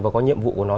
và có nhiệm vụ của nó